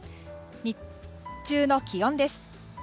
日中の気温です。